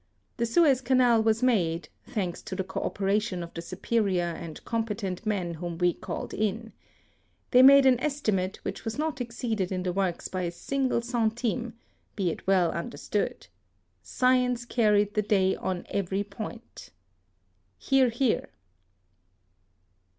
The Suez Canal was made, thanks to the co operation of the superior and competent mfen whom we caUed in. They made an estimate which was not exceeded in the works by a single centime — be it well understood. Science carried the day on every point. (Hear, hear.